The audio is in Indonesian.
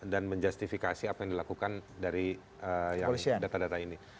dan menjustifikasi apa yang dilakukan dari data data ini